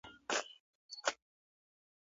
غازيان چې تږي او ستړي وو، زړور وو.